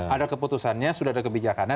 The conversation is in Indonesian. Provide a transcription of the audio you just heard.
ada keputusannya sudah ada kebijakannya